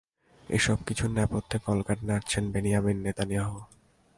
এসব কিছুর নেপথ্যে কলকাঠি নাড়ছেন বেনিয়ামিন নেতানিয়াহু।